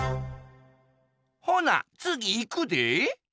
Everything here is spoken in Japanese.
ほなつぎいくで。